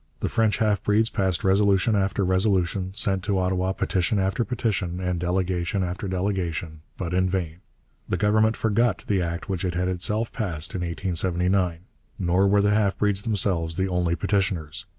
The French half breeds passed resolution after resolution, sent to Ottawa petition after petition and delegation after delegation, but in vain. The Government forgot the act which it had itself passed in 1879. Nor were the half breeds themselves the only petitioners.